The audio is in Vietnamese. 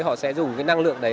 họ sẽ dùng cái năng lượng đấy